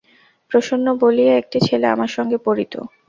প্রসন্ন বলিয়া একটি ছেলে আমার সঙ্গে পড়িত।